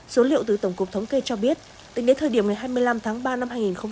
số liệu từ tổng cục thống kê cho biết tính đến thời điểm ngày hai mươi năm tháng ba năm hai nghìn hai mươi